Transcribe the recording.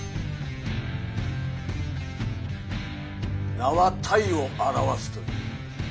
名は体を表すという。